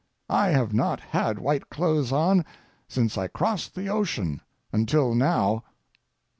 I have not had white clothes on since I crossed the ocean until now.